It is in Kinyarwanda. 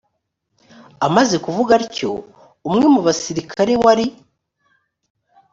amaze kuvuga atyo umwe mu basirikare wari